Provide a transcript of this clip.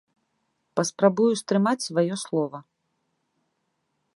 Паспрабую стрымаць сваё слова.